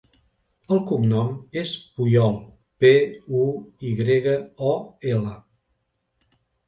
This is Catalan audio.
El cognom és Puyol: pe, u, i grega, o, ela.